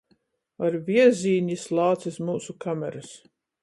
Ar viezīni jis lāc iz myusu kamerys.